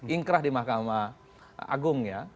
ingkrah di mahkamah agung ya